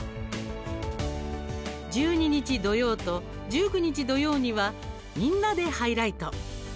１２日、土曜と１９日、土曜には「みんなでハイライト」。